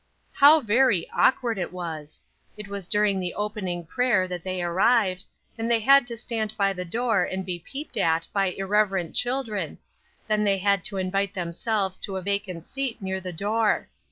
How very awkward it was! It was during the opening prayer that they arrived, and they had to stand by the door and be peeped at by irreverent children; then they had to invite themselves to a vacant seat near the door.